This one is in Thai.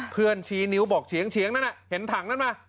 เพื่อนชี้นิ้วบอกเฉียงนั่นอะเห็นถังนั่นมั้ย